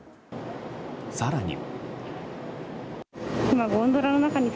更に。